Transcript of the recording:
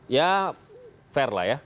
ya fair lah ya